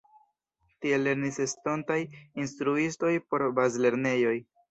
Tie lernis estontaj instruistoj por bazlernejoj.